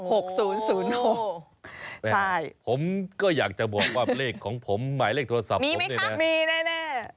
ใช่ผมก็อยากจะบอกว่าเลขของผมหมายเลขโทรศัพท์ผมเนี่ยนะมีแน่